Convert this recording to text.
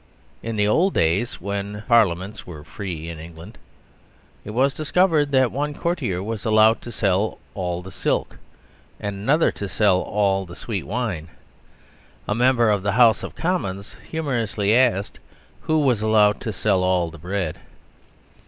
In the old days, when Parliaments were free in England, it was discovered that one courtier was allowed to sell all the silk, and another to sell all the sweet wine. A member of the House of Commons humorously asked who was allowed to sell all the bread.